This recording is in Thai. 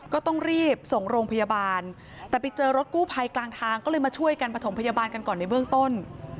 ก็ต้องรีบส่งโรงพยาบาลแต่ไปเจอรถกู้ภัยกลางทางก็เลยมาช่วยกันประถมพยาบาลกันก่อนในเบื้องต้น